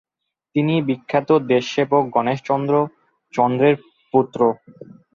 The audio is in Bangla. তিনি বিখ্যাত দেশসেবক গনেশচন্দ্র চন্দ্রের পৌত্র।